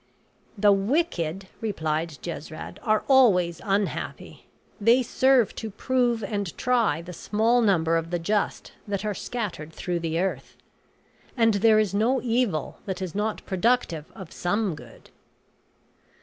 "The wicked," replied Jesrad, "are always unhappy; they serve to prove and try the small number of the just that are scattered through the earth; and there is no evil that is not productive of some good."